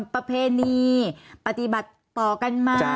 ประเพณีปฏิบัติต่อกันมา